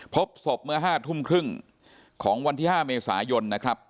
พบศพเมื่อ๕ทุ่มครึ่งของวันที่๕เมษายนนะครับ